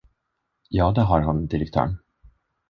Ja, det har hon, direktörn!